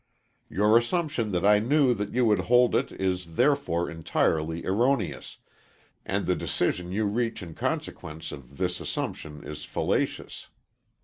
Your assumption that I knew that you would hold it is therefore entirely erroneous, and the decision you reach in consequence of this assumption is fallacious.